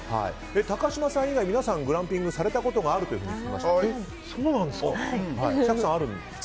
高嶋さん以外、皆さんグランピングされたことあるんですか。